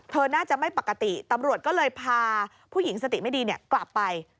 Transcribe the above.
น่าจะไม่ปกติตำรวจก็เลยพาผู้หญิงสติไม่ดีกลับไป